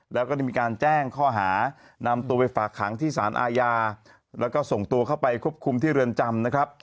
แล้วก็ได้มีการแจ้งข้อหานำตัวไปฝากขังที่สารอาญาแล้วก็ส่งตัวเข้าไปควบคุมที่เรือนจำนะครับ